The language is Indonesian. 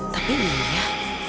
tapi ini dia